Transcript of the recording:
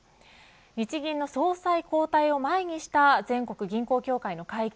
日銀の総裁交代を前にした全国銀行協会の会見